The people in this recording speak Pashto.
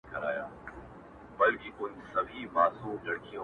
• د ژوند په جوارۍ کي مو دي هر څه که بایللي..